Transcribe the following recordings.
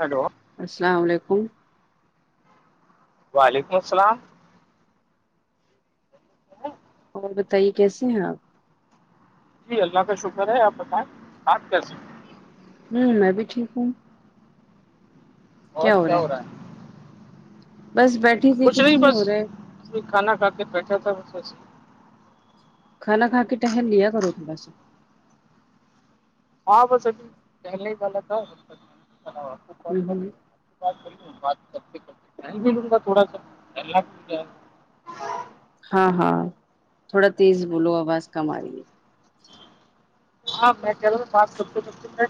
Hello السلام علیکم وعلیکم السلام اور بتائیے کیسے ہیں آپ جی اللہ کا شکر ہے آپ بتائیں بات کی سکتے ہوں میں بھی ٹھیک ہوں اور کیا ہو رہا بس بیٹ کچھ نہیں بس کھانا کھا کے بیٹھا تھا کھانا کھا کے ٹہم لیا کرو تھوڑا سا ہاں بس ابھی پہلے ہی پل تھا کال ہوں کر ہوں بات کرتے کرتے ملوں گا تھوڑا سا جائے [unintelligible] ہاں ہاں تھوڑا تیز بولو آواز کم آ رہی ہے ہاں میں کہہ رہاوںات سب سا [unintelligible]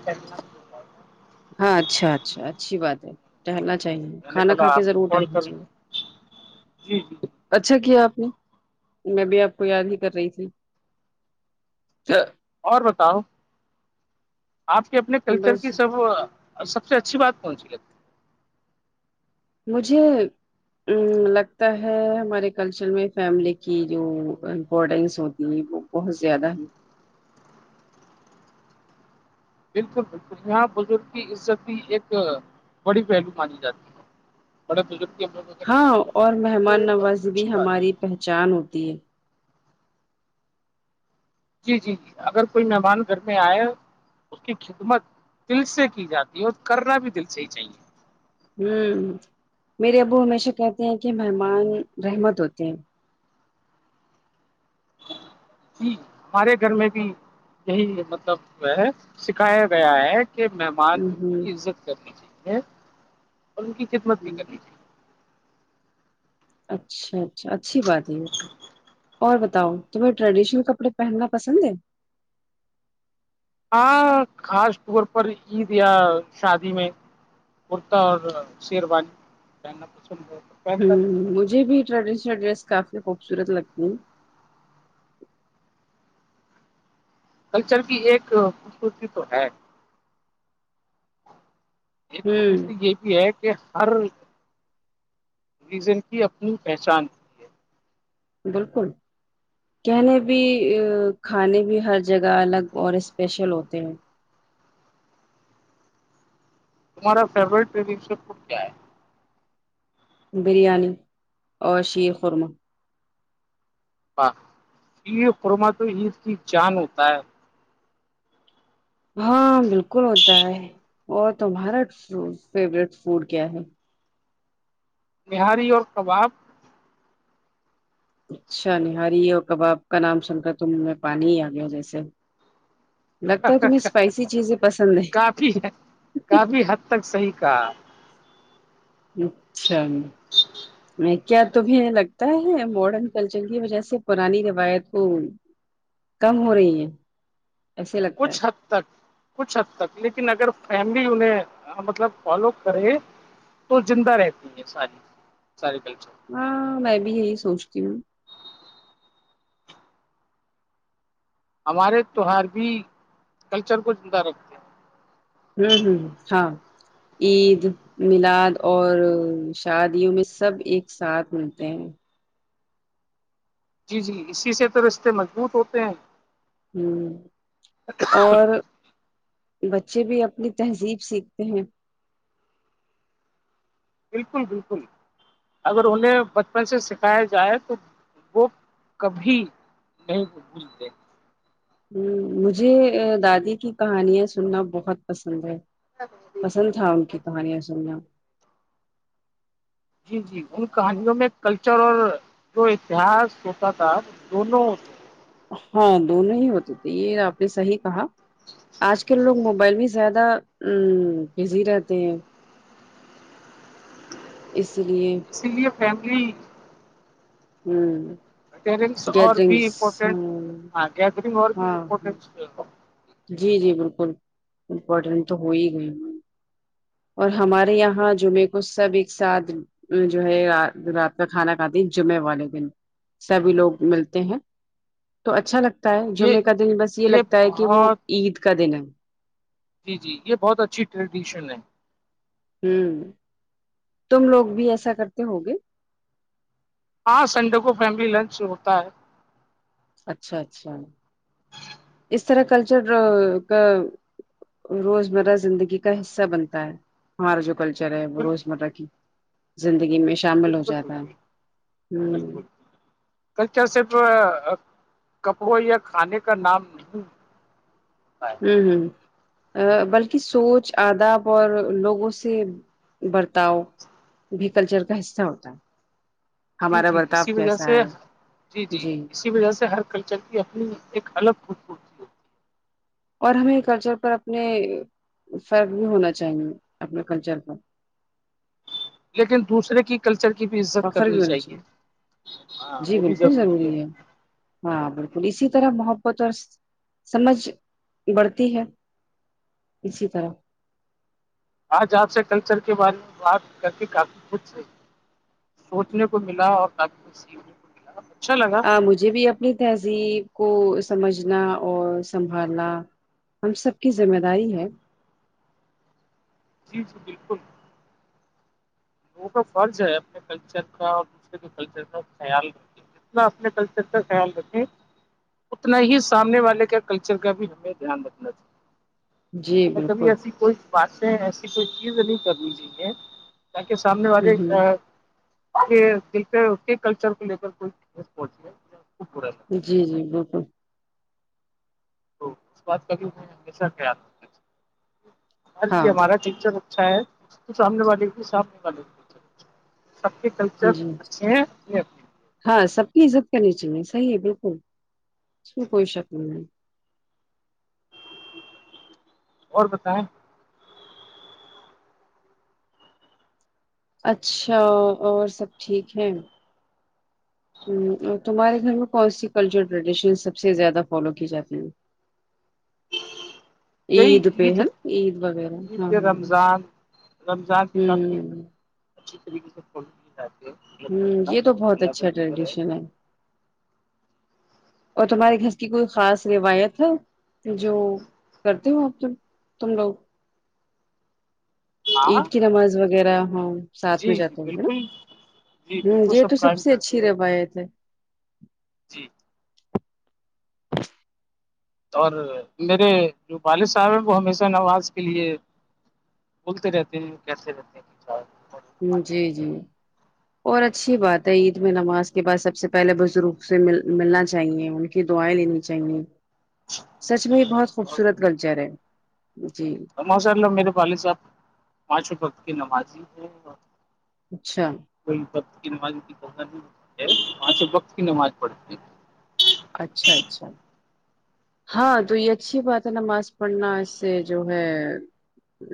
ہاں اچھا اچھا اچھی بات ہے ٹہلنا چاہیے میں نے کھانا کھا کہا کے آپ کو ضرور کال ٹہلنا کر لوں چاہیے جی جی اچھا کیا آپ نے میں بھی آپ کو یاد ہی کر رہی تھی چھ [unintelligible] اور بتاؤ آپ کے اپنے کلچر کی بس سب اور سب سے اچھی بات کون سی لگ ہے مجھے لگتا ہے ہمارے کلچر میں فیملی کی جو امپورٹینس ہوتی ہے وہ بہت زیادہ ہے بالکل بالکل یہاں بزرگ کی عزت بھی ایک بڑی پہلو مانی جاتی ہے بڑے ستی [unintelligible] ہاں اور مہمان نوازی بھی بات ہے ہماری پہچان ہوتی ہے جی جی جی اگر کوئی مہمان گھر میں آئے اس کی خدمت دل سے کی جاتی ہے اور کرنا بھی دل سے ہی چاہیے ہوں میرے ابو ہمیشہ کہتے ہیں کہ مہمان رحمت ہوتے ہیں ج ہمارے گھر میں بھی یہی مطلب سکھایا گیا ہے کے مہمان ہ کی عزت کرنی چاہیے اور ان کی خدمت بھی ہ کرنی چاہیے اچھا اچھا اچھی بات ہے یہ تو اور بتاؤ تمہیں ٹریڈیشنل کپڑے پہننا پسند ہے ہاں خاص طور پر عید یا شادی میں کرتا اور شیروانی کہنا پسند ہو ہ مجھے بھی ٹریڈیشنل ڈریس کافی خوبصورت لگتی ہیں کلچر کی ایک خوبصورتی تو ہے ایک تو کشتی ہ یہ بھی ہے [unintelligible] ہر ریزن کی اپنی پہچان ہوتی ہے بالکل کہنے بھی کھانے بھی ہر جگہ الگ اور اسپیشل ہوتے ہیں تمہارا فیوریٹ ٹریڈنشن کیا ہے بریانی اور شیر خورمہ شیرخرمہ تو عید کی جان ہوتا ہے ہاں بالکل ہوتا ہے اور تمہارا فیورٹ فوڈ کیا ہے نہاری اور کباب اچھا نہاری اور کباب کا نام سن کر تومنہ میں پانی ہی آ گیا ہو جیسے لگتا ہے تمہیں اسپائسی چیزیں پسند نہیں کافی ہے [unintelligible] کافی حد تک صحی تھا اچھا کیا تمہیں لگتا ہے ماڈرن کلچر کی وجہ سے پرانی روایت کو کم ہو رہی ہیں ایسے لگتا ہے کچھ حد تک کچھ حد تک لیکن اگر فیملی انہیں مطلب فالو کرے تو زندہ رہتی ہیں ساری سارے کلچر ہاں میں بھی یہی سوچتی ہوں ہمارے تہوہارہی کلچر کو زندہ رکھتے ہیں ہوں ہوں ہاں عید میلاد اور شادیوں میں سب ایک ساتھ ملتے ہیں جی جی اسی سے تو رستے مضبوط ہوتے ہیں ہوں اور بچے بھی اپنی تہذیب سیکھتے ہیں بالکل بالکل اگر انہیں بچپن سے سکھایا جائے تو وہ کبھی نہیں وہ بولتے مجھے دادی کی کہانیاں سننا بہت پسند ہے [inaudible] پسند تھا ان کی کہانیاں سننا جی جی ان کہانیوں میں کلچر اور جو اتحاس ہوتا تھا دونوں ہاں دونوں ہی ہوتے تھے یہ آپ نے صحی کہا آج کل لوگ موبائل بھی زیادہ ا بزی رہتے ہیں اس لیے اس لیے فیملی ہوں پرنٹس اور بھی امپورٹینٹ ہاں گیدرنگ اور بھی ہاں امپورٹینٹ جی جی بالکل امپورٹینٹ تو ہو ہی گیا اور ہمارے یہاں جمعے کو سب ایک ساتھ جو ہے رات کا کھانا کھاتی جمعے والے دن سبھی لوگ ملتے ہیں تو اچھا لگتا ہے یہ جمعے کا دن بس یہ لگتا ہے کہ وہ عید کا دن ہے جی جی یہ بہت اچھی ٹریڈیشن ہے ہوں تم لوگ بھی ایسا کرتے ہو گے ہاں سنڈے کو فیملی لنچ ہوتا ہے اچھا اچھا اس طرح کلچر کا روزمرہ زندگی کا حصہ بنتا ہے ہمارا جو کلچر ہے وہ بالکل روزمرہ کی زندگی میں شامل ہو بالکل جاتا بالکل ہے ہ کل کیا صرف کپڑوں یا کھانے کا نام نہیں ہے ہوں ہوں بلکہ سوچ آداب اور لوگوں سے برتاؤ بھی کلچر کا حصہ ہوتا جی ہمارا جی برتاؤ اسی وجہ کیسا سے ہے جی جی اسی وجہ سے ہر کلچر کی اپنی ایک الگ خوب اور ہمیں کلچر پر اپنے فرق بھی ہونا چاہیے اپنے کلچر پر لیکن دوسرے کی کلچر کی بھی عزت فخر بھی کرنی ہونا چاہیے ہاں وہ بھی ضروری ہے ہاں بالکل اسی طرح محبت اور سمجھ بڑھتی ہے اسی طرح آج آپ سے کلچر کے بارے میں بات کر کے کافی خوش تھی سوچنے کو ملا اورق سیکھنے کو ملا اچھا لگا ج بھی اپنی تہذیب کو سمجھنا اور سنبھالنا ہم سب کی ذمہ داری ہے جی جی بالکل [inaudible] لوگوں کا فرض ہے اپنے کلچر کا اور دوسرے کے کلچر کا خیال رکھ کے اپنا اپنے کلچر کا خیال رکھیں اتنا ہی سامنے والے کا کلچر کا بھی ہمیں دھیان رکھنا چاہیے جی ہمیں کبھی بالکل ایسی کوئی باتیں ایسی کوئی چیز نہیں کرنی چاہیے تاکہ سامنے ہ والے ہ دل پ کے کلچر کو لے کوئی پہنچا جی جی بالکل تو اس بات کا بھی ہمیشہ خیال رکھنا یہ ہاں ہمارا ٹیچر اچ شاید سامنے والے کہ سامنے والے کلچر سب کے کلچر جی اچھے ہیں ہاں سب کی عزت کرنی چاہیے صحیح ہے بالکل کوئی شکل نہیں اور بتیں اچھا اور سب ٹھیک ہے ہ تمہارے گھر میں کون سی کلچر ٹریڈیشن سب سے زیادہ فالو کی جاتی ہیں یہی پہ ہے عید نا عید وغیرہ عید ہاں ہاں رمضان رمضان بھی کافی ہوں اچھی طریقے سےڑ جاتی ہے ہوں یہ تو بہت اچھا ٹریڈیشن ہے [inaudible] اور تمہارے گھر کی کوئی خاص روایت ہے جو کرتے ہو آپ ت تم لوگ ہاں عید کی نماز وغیرہ ہ ساتھ میں جی جاتا جی ہوں نا بالکل جی ہ بالکل یہ تو سب قائم سے اچھی کرتے ہو روایت ہے جی اور میرے جو والد صاحب ہیں وہ ہمیشہ نواز کے لیے ہوگتی رہتیین کیٹتی رہتی جی جی اور اچھی بات ہے عید میں نماز کے بعد سب سے پہلے بزرگ سے مل ملنا چاہیے ان کی دعائیں لینی چاہیے سچ میں یہ بہت پڑھو۔ خوبصورت کلچر ہے جی ماشاء اللہ میرے والد صاحب پانچوں وقت کی نمازی ہے اچھا کوئی وقت کی نماز اہ نہیں وہاں سے وقت کی نماز پڑھتی اچھا اچھا ہاں جی تو یہ اچھی بات ہے نماز پڑھنا اس سے جو ہے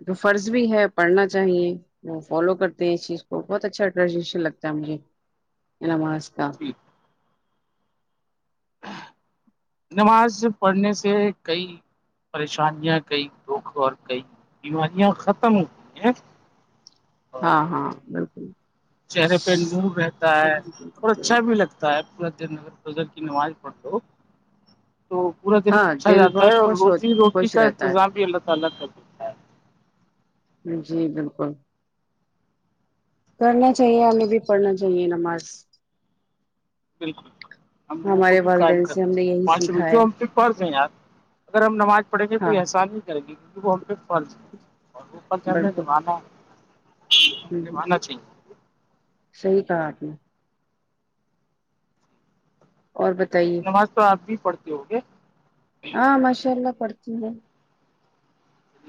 تو فرض بھی ہے پڑھنا چاہیے وہ فالو کرتے ہیں اس چیز کو بہت اچھا ٹریڈیشن لگتا ہے مجھے نماز کا ج نماز پڑھنے سے کئی پریشانیاں کئی دکھ اور کئی بیماریاں ختم ہو گئی ہیں اور ہاں ہاں بالکل چہرے پہ نور رہتا ہے اور اچھا بھی لگتا ہے ب ن پرجیک نواز پڑ تو پورا دن ہاں اچھا دل جاتا بہت ہے اور خوش ہو روزی روٹی خوش کا رہتا انتظام بھی اللہ تعالی کر دیتا ہے جی بالکل کرنا چاہیے ہمیں بھی پڑھنا چاہیے نمارس بالکل ہم لوگوں کو ہمارے بھی قائم والدین سے کرنا ہم نے چاہیے یہی پانچ روپے سیکھا جو ہے ہم پ پڑھ دیں یار اگر ہم نمازڑیں گے ہاں کوئی احسانی کریں گی کیکہ وہ ہم پہ فرچ ہے اور وہ فرچ ہم نے بالکل زمانا ہے ے ہ مان چ صحیح کہا آپ نے اور بتائیے نماز تو آپ بھی پڑھتے ہو گے چلیے ہاں مشاء اللہ پڑتی ہیں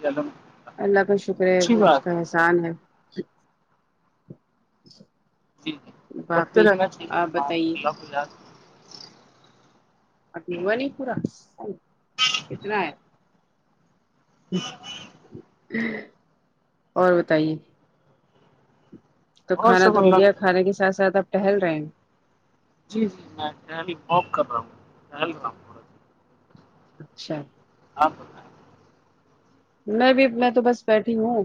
الل ن اللہ کا شکر ہے اس کا احسان ہے ہے جی جی بچتے باقی رہنا چاہیز آپ ممان بتائیے اللہ پ ا وہ نہیں پورا کتنا ہے اور بتائیے تو اور کھانا سب تو ہو اللہ کا گیا شکر کھانے ہے کے ساتھ ساتھ آپ ٹہل رہے ہیں جی جی میں ہلی بک کر رہا ہوں ہل رہا ہوں تھوڑا اچھا آپ میں بھی میں تو بس بیٹھی ہوں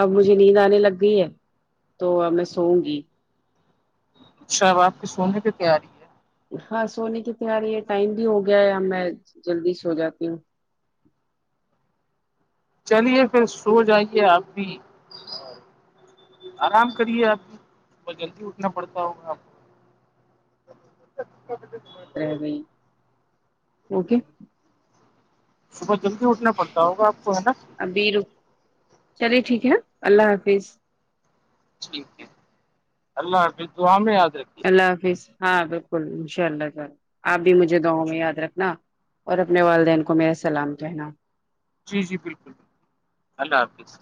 اب مجھے نیند آنے لگ گئی ہے تو میں سوؤں گی شاب آپ کے سونے کی تیاری ہے ہاں سونے کی تیاری ہے ٹائم بھی ہو گیا ہے ا میں جلدی سو جاتی ہوں چلیے پھر سو جائیے آپ بھی آرام کریے آپ بت جلدی اٹھنا پڑتا ہوگا آپ ب رہ گئی اوکے کو صبح جلدی اٹھنا پڑتا ہوگا آپ کو ہے نا ابھی ر چلیے ٹھیک ہے اللہ حافظ ٹھیک ہے اللہام آد اللہ حافظ ہاں بالکل انشاء اللہلہ آپ بھی مجھے دواؤں میں یاد رکھنا اور اپنے والدین کو میرا سلام کہنا جی جی بالکل بالکل اللہ حافظ